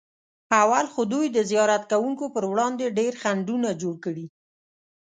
اول خو دوی د زیارت کوونکو پر وړاندې ډېر خنډونه جوړ کړي.